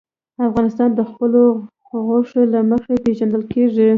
افغانستان د خپلو غوښې له مخې پېژندل کېږي.